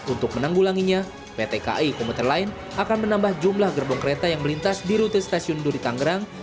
untuk menanggulanginya pt kai komuter line akan menambah jumlah gerbong kereta yang melintas di rute stasiun duri tangerang